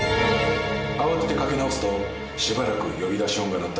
慌ててかけ直すとしばらく呼び出し音が鳴った